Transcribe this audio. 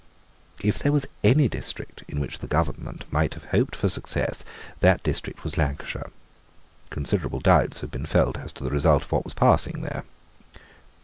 If there was any district in which the government might have hoped for success, that district was Lancashire. Considerable doubts had been felt as to the result of what was passing there.